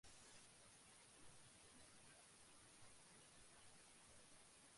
হাসপাতালটিতে গরিব রোগীদের সার্জিক্যাল চিকিত্সা ছাড়া অন্যান্য চিকিত্সা দেওয়া হবে বিনা মূল্যে।